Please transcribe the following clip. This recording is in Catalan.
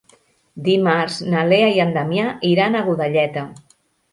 Dimarts na Lea i en Damià iran a Godelleta.